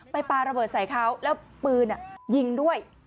ปลาระเบิดใส่เขาแล้วปืนยิงด้วย